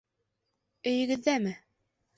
Өйөгөҙҙәме?